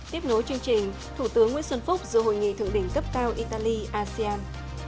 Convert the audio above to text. tiếp nối chương trình thủ tướng nguyễn xuân phúc dự hội nghị thượng đỉnh cấp cao italy asean